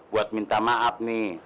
buat minta maaf nih